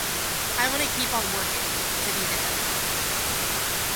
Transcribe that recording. I wanted to keep on working, to be there.